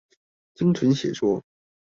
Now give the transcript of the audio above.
精準寫作